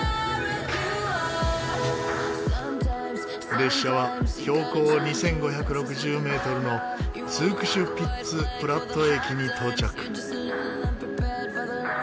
列車は標高２５６０メートルのツークシュピッツプラット駅に到着。